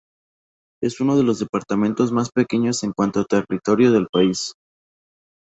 Es unos de los departamentos más pequeños en cuanto a territorio del país.